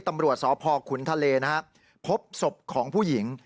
ตำรวจสพขุนทะเลพบศพของผู้หญิง